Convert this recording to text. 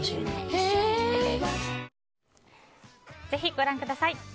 ぜひ、ご覧ください。